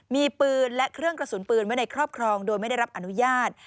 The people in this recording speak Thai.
มีปืนและเครื่องกระสุนปืนไว้ในครอบครองโดยไม่ได้รับอนุญาต